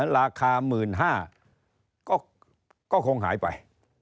ราคา๑๕๐๐ก็คงหายไป